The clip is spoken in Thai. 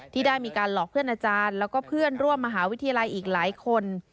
ที่ได้มีการหลอกเพื่อนอาจารย์แล้วก็เพื่อนร่วมมหาวิทยาลัยอีกหลายคน